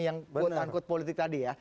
yang buat angkut politik tadi ya